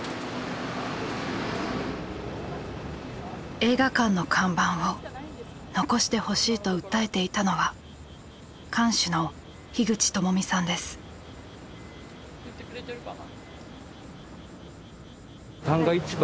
映画館の看板を残してほしいと訴えていたのは言ってくれてるかな。